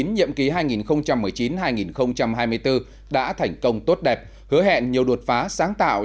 nhiệm ký hai nghìn một mươi chín hai nghìn hai mươi bốn đã thành công tốt đẹp hứa hẹn nhiều đột phá sáng tạo